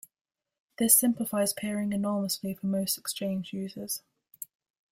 This simplifies peering enormously for most exchange users.